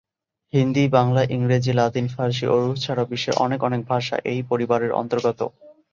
হিন্দি, বাংলা, ইংরেজি, লাতিন, ফার্সি ও রুশ ছাড়াও বিশ্বের অনেক অনেক ভাষা এই পরিবারের অন্তর্গত।